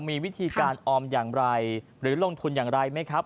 มีวิธีการออมอย่างไรหรือลงทุนอย่างไรไหมครับ